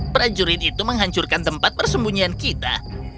prajurit itu menghancurkan tempat persembunyian kita